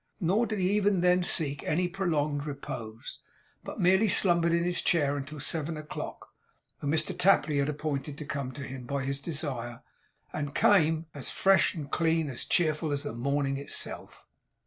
Nor did he even then seek any prolonged repose, but merely slumbered in his chair, until seven o'clock, when Mr Tapley had appointed to come to him by his desire; and came as fresh and clean and cheerful as the morning itself.